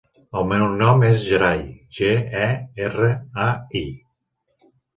El meu nom és Gerai: ge, e, erra, a, i.